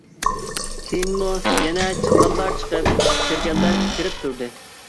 كېيىنمۇ يەنە چىققانلار چىقىپ، كىرگەنلەر كىرىپ تۇردى.